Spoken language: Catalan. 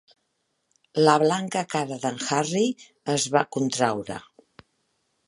La blanca cara d'en Harry es va contraure.